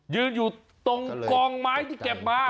ยืนอยู่ตรงกองไม้ที่เก็บมา